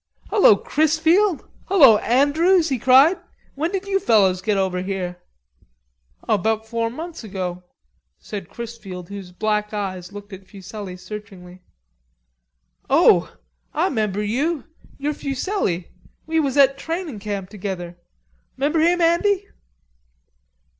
"Hullo, Chrisfield. Hullo, Andrews!" he cried. "When did you fellows get over here?" "Oh, 'bout four months ago," said Chrisfield, whose black eyes looked at Fuselli searchingly. "Oh! Ah 'member you. You're Fuselli. We was at trainin' camp together. 'Member him, Andy?"